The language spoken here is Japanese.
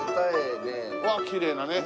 わあきれいなね。